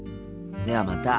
ではまた。